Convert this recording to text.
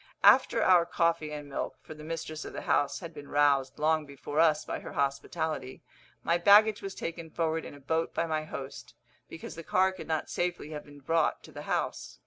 After our coffee and milk for the mistress of the house had been roused long before us by her hospitality my baggage was taken forward in a boat by my host, because the car could not safely have been brought to the house.